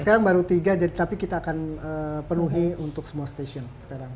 sekarang baru tiga tapi kita akan penuhi untuk semua stasiun sekarang